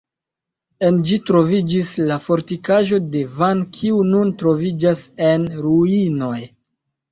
En ĝi troviĝis la fortikaĵo de Van kiu nun troviĝas en ruinoj.